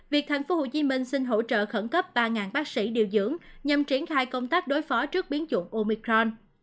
việc tp hcm xin hỗ trợ khẩn cấp ba bác sĩ điều dưỡng nhằm triển khai công tác đối phó trước biến dụng omicron